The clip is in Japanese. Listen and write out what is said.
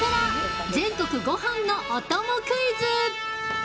全国ご飯のお供クイズ！」。